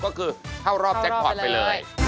ก็คือเท่ารอบแจกพอดไปเลย